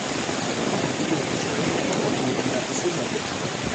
We can constrain the amplitude so that the signal gets clipped.